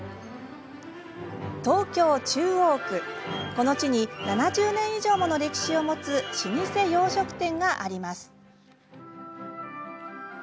この地に７０年以上もの歴史を持つ老舗洋食店があります。